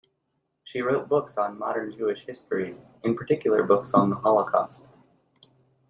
She wrote books on modern Jewish history, in particular books on the Holocaust.